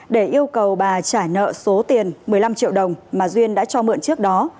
để yêu cầu bà trả nợ số tiền một mươi năm triệu đồng mà duyên đã cho mượn trước đó